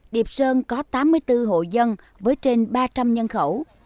điệp sơn có tám mươi bốn hộ dân với trên ba trăm linh nhân khẩu